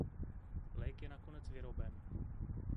Lék je nakonec vyroben.